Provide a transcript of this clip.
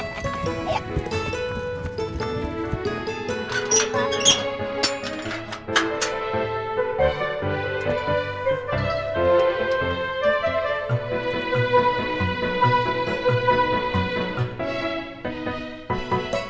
udah mau ke rumah